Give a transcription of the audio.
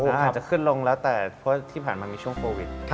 อาจจะขึ้นลงแล้วแต่เพราะที่ผ่านมามีช่วงโควิด